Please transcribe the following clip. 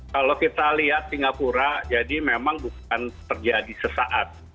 kalau kita lihat singapura jadi memang bukan terjadi sesaat